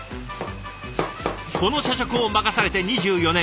この社食を任されて２４年。